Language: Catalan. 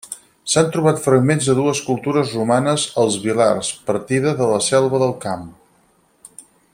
S'han trobat fragments de dues escultures romanes als Vilars, partida de la Selva del Camp.